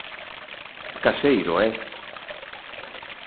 Caseiro, eh.